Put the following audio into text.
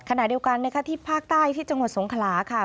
ขณะเดียวกันนะคะที่ภาคใต้ที่จังหวัดสงขลาค่ะ